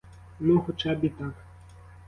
Ну хоча б і так.